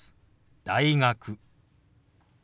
「大学」。